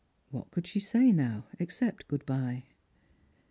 What could she say now, except good bye